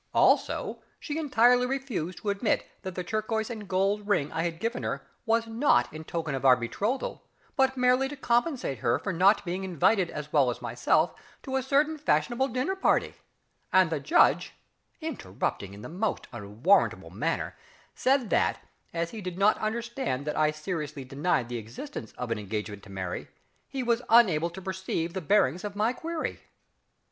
Also she entirely refused to admit that the turquoise and gold ring I had given her was not in token of our betrothal, but merely to compensate her for not being invited as well as myself to a certain fashionable dinner party; and the Judge (interrupting in the most unwarrantable manner) said that, as he did not understand that I seriously denied the existence of an engagement to marry, he was unable to perceive the bearings of my query.